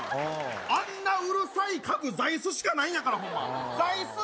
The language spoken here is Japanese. あんなうるさい家具、座いすしかないんやから、ほんま。